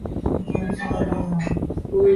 یہ بھی سمجھ رہے ہوں۔